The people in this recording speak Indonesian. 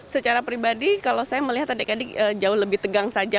secara pribadi kalau saya melihat adik adik jauh lebih tegang saja